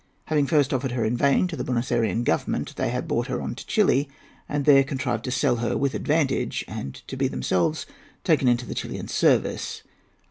Having first offered her in vain to the Buenos Ayrean Government, they had brought her on to Chili, and there contrived to sell her with advantage and to be themselves taken into the Chilian service.